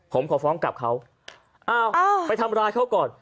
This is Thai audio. ผมขอฟ้องกลับเขาอ้าวไปทำร้ายเขาก่อน